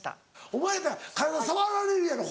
お前やったら体触られるやろ？